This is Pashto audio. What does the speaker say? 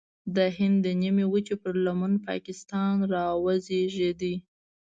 د هند د نیمې وچې پر لمن پاکستان راوزېږید.